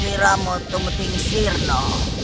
tidak ada apa apa